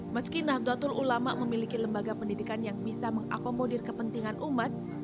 meski nahdlatul ulama memiliki lembaga pendidikan yang bisa mengakomodir kepentingan umat